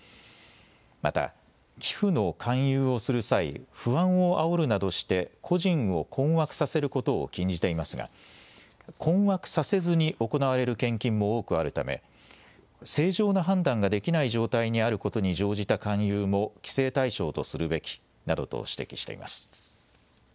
また寄付の勧誘をする際不安をあおるなどして個人を困惑させることを禁じていますが困惑させずに行われる献金も多くあるため正常な判断ができない状態にあることに乗じた勧誘も規制対象とするべきなどと指摘しています。